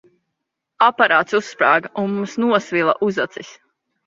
Aparāts uzsprāga, un mums nosvila uzacis.